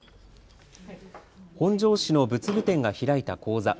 本庄市の仏具店が開いた講座。